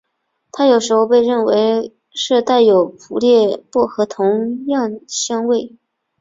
它有时候被认为是带有和普列薄荷同样香味。